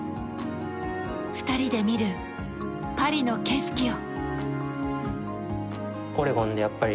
２人で見る、パリの景色を。